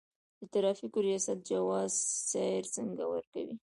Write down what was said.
د ترافیکو ریاست جواز سیر څنګه ورکوي؟